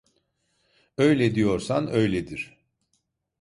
Öyle diyorsan öyledir.